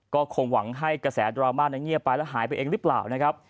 ก็คงหวังให้กระแสดราม่านั้นเงียบไปแล้วหายไปเองหรือเปล่านะครับ